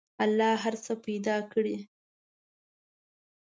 الله هر څه پیدا کړي.